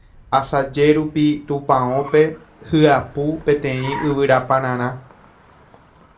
Asaje rupi tupãópe hyapu peteĩ yvyrapararã